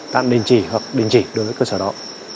tạm đình chỉ hoặc đình chỉ đối với cơ sở đó